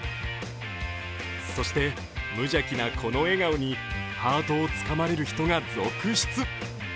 そして、無邪気なこの笑顔にハートをつかまれる人が続出。